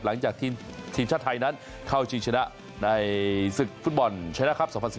หลังจากทีมชาติไทยนั้นเข้าชิงชนะในศึกฟุตบอลชนะครับ๒๐๑๙